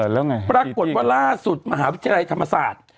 แล้วไงปรากฏว่าล่าสุดมหาวิทยาลัยธรรมศาสตร์